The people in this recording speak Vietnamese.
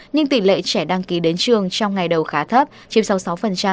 nhưng tỉ lệ trẻ đăng ký đến trường trong ngày đầu khá thấp chiếm sau sáu